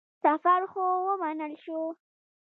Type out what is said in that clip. سفر خو ومنل شو.